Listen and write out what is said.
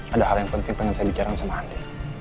ada hal yang penting pengen saya bicara sama andi